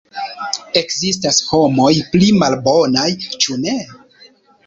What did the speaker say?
Ekzistas homoj pli malbonaj, ĉu ne?